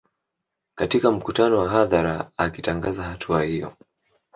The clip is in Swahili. Katika mkutano wa hadhara akitangaza hatua hiyo